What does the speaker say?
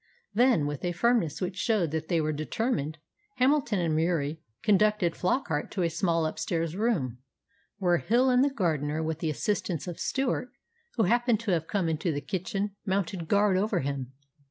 Then, with a firmness which showed that they were determined, Hamilton and Murie conducted Flockart to a small upstairs room, where Hill and the gardener, with the assistance of Stewart, who happened to have come into the kitchen, mounted guard over him.